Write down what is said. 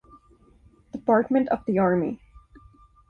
Department of the Army".